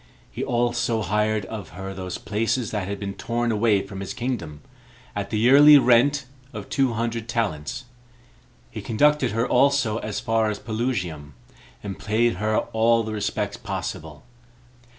He also hired of her those places that had been torn away from his kingdom, at the yearly rent of two hundred talents. He conducted her also as far as Pelusium, and paid her all the respects possible.